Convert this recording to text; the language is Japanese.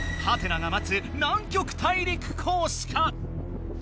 がまつ南極大陸コースか？